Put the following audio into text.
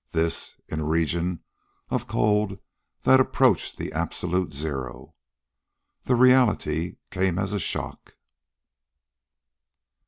This, in a region of cold that approached the absolute zero. The reality came as a shock.